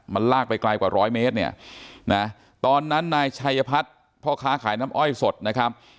มันลากไปไกลกว่าร้อยเมตรเนี่ยนะตอนนั้นนายชัยพัฒน์พ่อค้าขายน้ำอ้อยสดนะครับ